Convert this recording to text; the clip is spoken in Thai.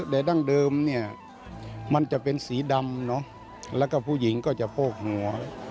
แต่ดั้งเดิมเนี่ยมันจะเป็นสีดำเนอะแล้วก็ผู้หญิงก็จะโพกหัว